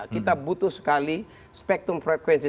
kita butuh sekali spektrum frekuensi